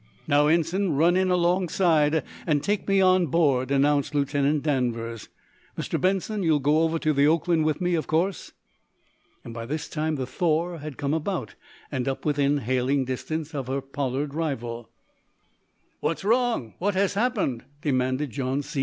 "Now, Ensign, run in alongside, and take me on board," announced Lieutenant Danvers. "Mr. Benson, you'll go over to the 'Oakland' with me, of course?" By this time the "Thor" had come about, and up within hailing distance of her Pollard rival. "What's wrong? What has happened?" demanded John C.